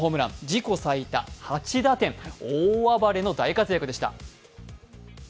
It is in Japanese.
自己最多８打点、大暴れの大活躍でし。